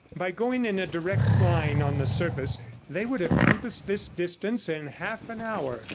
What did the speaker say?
By going in a direct line on the surface they would have compassed this distance in half an hour.